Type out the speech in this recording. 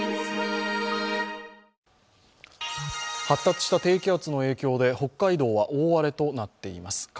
発達した低気圧の影響で北海道は大荒れとなっています。